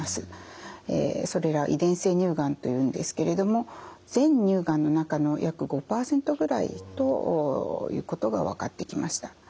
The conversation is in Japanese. それら遺伝性乳がんというんですけれども全乳がんの中の約５％ぐらいということが分かってきました。